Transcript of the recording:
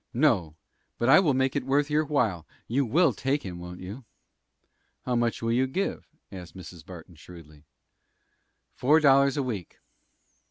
"No; but if I will make it worth your while you will take him, won't you?" "How much will you give?" asked Mrs. Barton, shrewdly. "Four dollars a week."